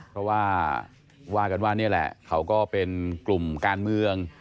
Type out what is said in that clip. เพราะว่าว่ากันว่านี่แหละเขาก็เป็นกลุ่มการเมือง